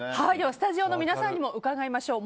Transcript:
スタジオの皆さんにも伺いましょう。